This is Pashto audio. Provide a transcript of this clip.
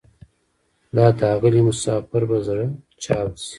دا داغلی مسافر به زره چاود شي